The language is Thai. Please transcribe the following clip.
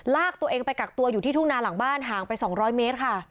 ลากตัวเองไปกักตัวอยู่ที่ทุ่งนาหลังบ้านห่างไป๒๐๐เมตรค่ะ